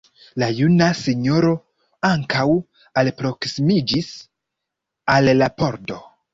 La juna sinjoro ankaŭ alproksimiĝis al la pordo.